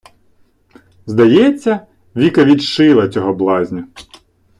Здається, Віка "відшила" цього блазня.